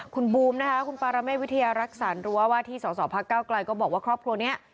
คุณบูมนะคะคุณปารเมฆวิทยารักษันรัววาที่๒๒พกก็บอกว่าครอบครัวเนี่ย